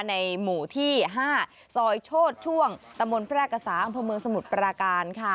หมู่ที่๕ซอยโชดช่วงตะมนต์แพร่กษาอำเภอเมืองสมุทรปราการค่ะ